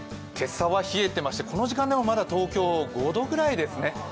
今朝は冷えてましてこの時間でもまだ東京、５度ぐらいですね。